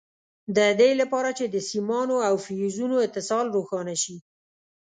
د دې لپاره چې د سیمانو او فیوزونو اتصال روښانه شي.